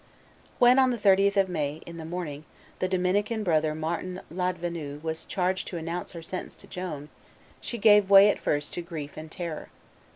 When, on the 30th of May, in the morning, the Dominican brother Martin Ladvenu was charged to announce her sentence to Joan, she gave way at first to grief and terror.